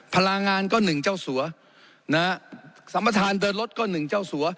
พลางานก็หนึ่งเจ้าสัวสัมภาษณ์เดินรถก็หนึ่งเจ้าสัว